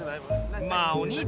まあお兄ちゃん